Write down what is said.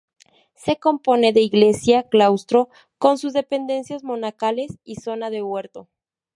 Se compone de iglesia, claustro, con sus dependencias monacales, y zona de huerto.